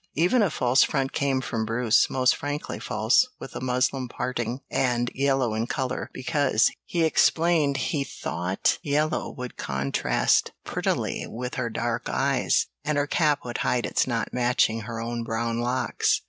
Even a false front came from Bruce most frankly false, with a muslin parting, and yellow in color, because, he explained, he "thought yellow would contrast prettily with her dark eyes, and her cap would hide its not matching her own brown locks."